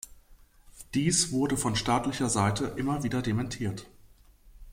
Dies wurde von staatlicher Seite immer wieder dementiert.